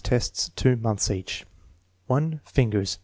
(6 tests, 2 months each.) 1. Fingers.